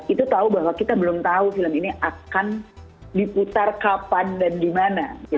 itu tahu bahwa kita belum tahu film ini akan diputar kapan dan dimana